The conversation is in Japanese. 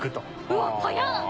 うわっ速っ！